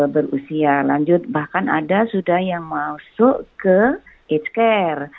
berusia lanjut bahkan ada sudah yang masuk ke eat scare